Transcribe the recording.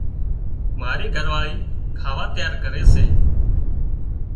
مارِي گھر واۯِي کاوا تيار ڪري سي۔